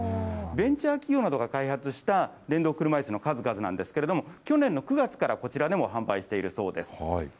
ベンチャー企業などが開発した電動車いすの数々なんですけれども、去年の９月からこちらでも販売しているそうです。